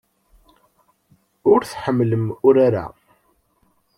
Ur tḥemmlem urar-a.